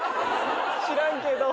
知らんけど。